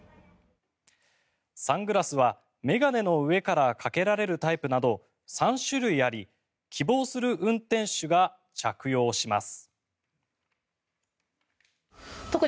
サングラスは眼鏡の上からかけられるタイプなど３種類あり希望する運転手が着用します。